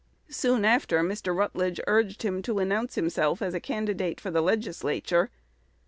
"Soon after Mr. Rutledge urged him to announce himself as a candidate for the Legislature.